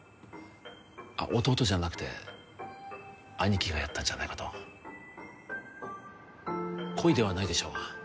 あっ弟じゃなくて兄貴がやったんじゃないかと故意ではないでしょう